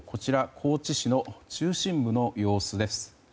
高知市の中心部の様子です。